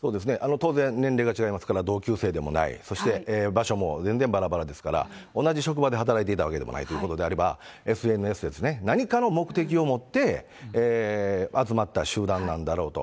当然、年齢が違いますから、同級生でもない、そして場所も全然ばらばらですから、同じ職場で働いていたわけでもないということになれば、ＳＮＳですね、何かの目的を持って、集まった集団なんだろうと。